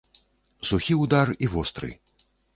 Сухі ўдар і востры.